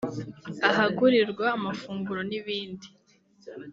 ahagurirwa amafunguro n’ibindi